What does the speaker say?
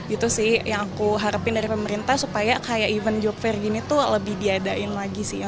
itu sih yang aku harapin dari pemerintah supaya kayak event job fair gini tuh lebih diadain lagi sih ya